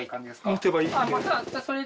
持てばいいんで。